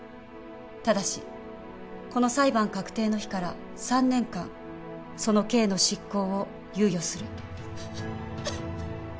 ただしこの裁判確定の日から３年間その刑の執行を猶予する。